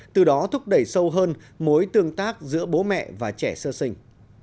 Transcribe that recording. từ đó thúc đẩy sâu hơn mối tương tác giữa bố mẹ và trẻ sơ sinh